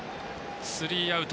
スリーアウト。